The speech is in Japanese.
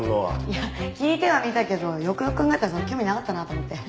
いや聞いてはみたけどよくよく考えたらそんな興味なかったなと思って。